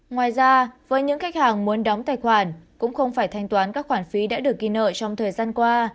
ngoài ra với những khách hàng muốn đóng tài khoản cũng không phải thanh toán các khoản phí đã được ghi nợ trong thời gian qua